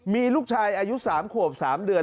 มีลูกชายอายุ๓ขวบ๓เดือน